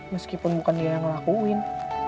meskipun bukan dia yang ngelakuin